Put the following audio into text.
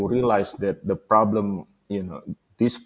perlu menyadari bahwa masalah ini